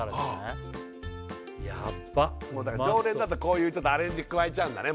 うまそうもうだから常連だとこういうアレンジ加えちゃうんだね